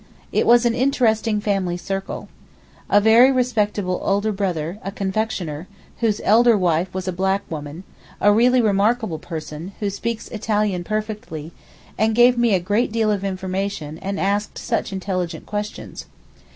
It was an interesting family circle. A very respectable elder brother a confectioner, whose elder wife was a black woman, a really remarkable person, who speaks Italian perfectly, and gave me a great deal of information and asked such intelligent questions.